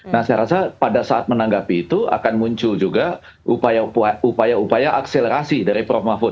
nah saya rasa pada saat menanggapi itu akan muncul juga upaya upaya akselerasi dari prof mahfud